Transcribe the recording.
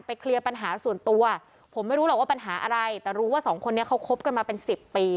เคลียร์ปัญหาส่วนตัวผมไม่รู้หรอกว่าปัญหาอะไรแต่รู้ว่าสองคนนี้เขาคบกันมาเป็นสิบปี